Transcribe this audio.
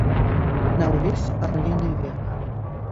На ўвесь арліны век.